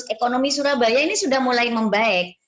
ekonomi surabaya ini sudah mulai membaik